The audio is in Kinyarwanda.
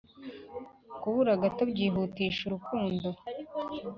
kubura gato byihutisha urukundo,